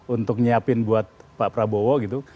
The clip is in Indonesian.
untuk nyiapin buat pak prabowo gitu